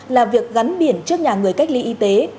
là việc gắn biển trước nhà người cách ly y tế